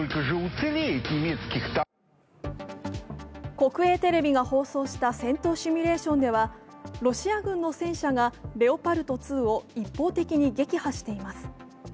国営テレビが放送した戦闘シミュレーションでは、ロシア軍の戦車がレオパルト２を一方的に撃破しています。